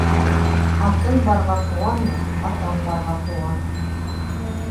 Атың барға ҡыуанма, атаң барға ҡыуан.